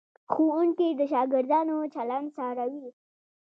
ښوونکي د شاګردانو چلند څارلو.